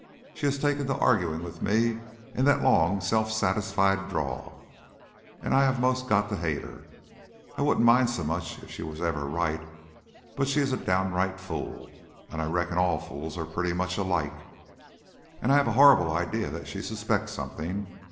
She has taken to arguing with me in that long self satisfied drawl, and I have 'most got to hate her. I wouldn't mind so much if she was ever right, but she is a downright fool, and I reckon all fools are pretty much alike. And I have a horrible idea that she suspects something.